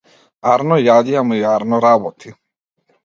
Арно јади, ама и арно работи.